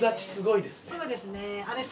そうですね。